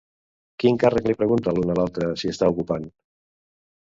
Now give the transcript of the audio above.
Quin càrrec li pregunta l'un a l'altre si està ocupant?